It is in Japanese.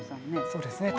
そうですね。